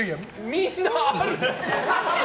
みんなあるよ。